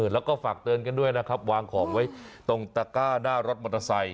แล้วก็ฝากเตือนกันด้วยนะครับวางของไว้ตรงตะก้าหน้ารถมอเตอร์ไซค